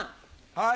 はい。